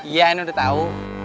iya ini udah tau